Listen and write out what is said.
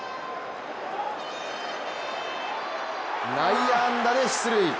内野安打で出塁。